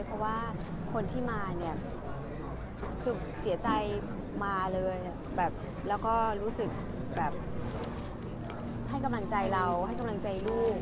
เพราะว่าคนที่มาเนี่ยคือเสียใจมาเลยแบบแล้วก็รู้สึกแบบให้กำลังใจเราให้กำลังใจลูก